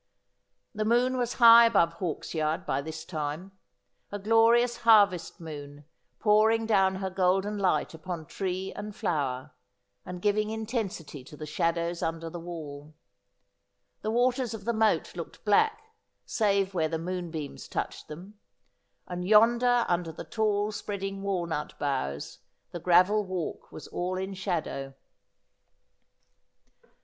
The moon was high above Hawksyard by this time : a glorious harvest moon, pouring down her golden light upon tree and flower, and giving intensity to the shadows under the wall. The waters of the moat looked black, save where the moonbeams touched them ; and yonder under the tall spreading walnut boughs the gravel walk was all in shadow.